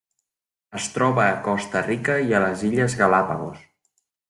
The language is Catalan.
Es troba a Costa Rica i a les Illes Galápagos.